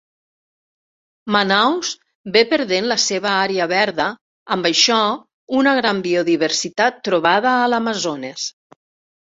Manaus ve perdent la seva àrea verda, amb això, una gran biodiversitat trobada a l'Amazones.